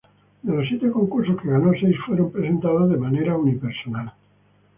De los siete concursos que ganó, seis fueron presentados de manera unipersonal.